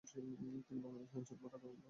তিনি Bangladesh censor board appeal কমিটির সদস্য।